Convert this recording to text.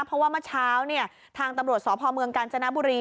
เพราะว่าเมื่อเช้าเนี่ยทางตำรวจสพเมืองกาญจนบุรี